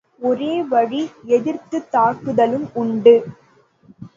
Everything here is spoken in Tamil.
ஒரே வழி எதிர்த்துத் தாக்குதலும் உண்டு.